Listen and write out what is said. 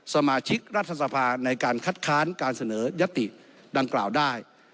สมาชิกรัฐสภาในการคัดค้านการเสนอยติดังกล่าวได้